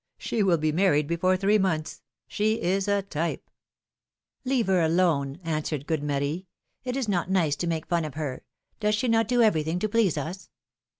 She will be married before three months ! She is a type ! Leave her alone,'^ answered good Marie, it is not nice to make fun of her; does she not do everything to please us?